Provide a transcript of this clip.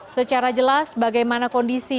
secara jelas bagaimana kondisi